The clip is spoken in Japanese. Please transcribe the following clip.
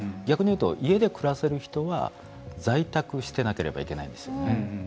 逆に言うと家で暮らせる人は在宅してなければいけないんですね。